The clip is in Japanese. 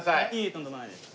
とんでもないです。